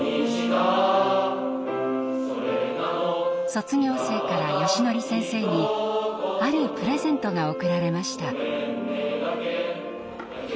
卒業生からよしのり先生にあるプレゼントが贈られました。